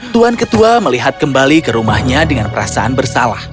tuan ketua melihat kembali ke rumahnya dengan perasaan bersalah